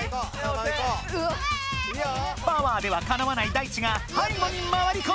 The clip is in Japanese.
パワーではかなわないダイチがはい後に回りこむ！